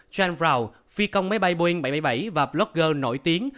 john brown phi công máy bay boeing bảy trăm bảy mươi bảy và blogger nổi tiếng